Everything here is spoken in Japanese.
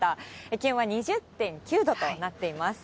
気温は２０．９度となっています。